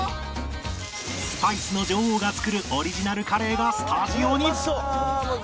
スパイスの女王が作るオリジナルカレーがスタジオに！